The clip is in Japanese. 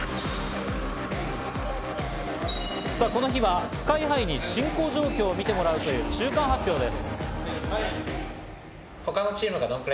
さぁ、この日はＳＫＹ−ＨＩに進行状況を見てもらうという中間発表です。